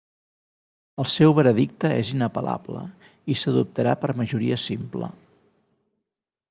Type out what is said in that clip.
El seu veredicte és inapel·lable, i s'adoptarà per majoria simple.